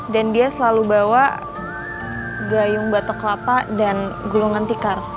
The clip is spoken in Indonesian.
dan dia selalu bawa gayung batok kelapa dan gulungan tikar